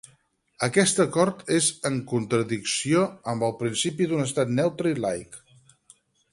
Aquest acord és en contradicció amb el principi d'un estat neutre i laic.